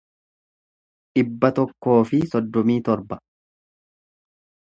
dhibba tokkoo fi soddomii torba